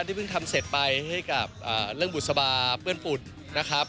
ที่เพิ่งทำเสร็จไปให้กับเรื่องบุษบาเปื้อนฝุ่นนะครับ